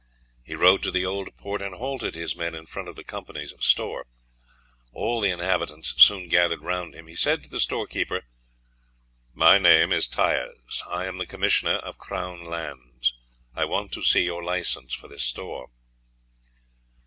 He rode to the Old Port, and halted his men in front of the company's store. All the inhabitants soon gathered around him. He said to the storekeeper: "My name is Tyers. I am the Commissioner of Crown Lands. I want to see your license for this store."